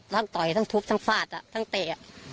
ต่อยทั้งทุบทั้งฟาดทั้งเตะ